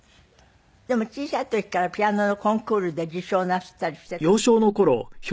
でも小さい時からピアノのコンクールで受賞なすったりしてたんでしょ？